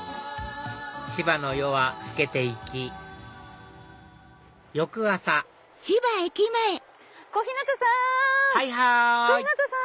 千葉の夜は更けて行き翌朝小日向さん！